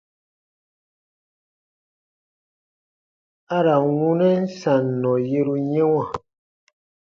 A ra n wunɛn sannɔ yeru yɛ̃wa.